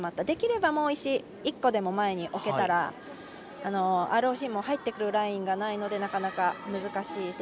できれば石１個でも前に置けたらＲＯＣも入ってくるラインがないのでなかなか難しい。